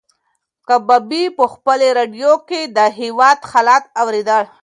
کبابي په خپلې راډیو کې د هېواد حالات اورېدل.